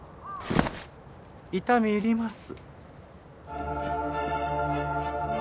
痛み入ります。